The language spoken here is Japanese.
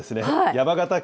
山形県